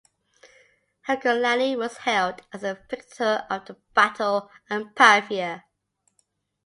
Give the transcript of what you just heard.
Hercolani was hailed as the victor of the battle of Pavia.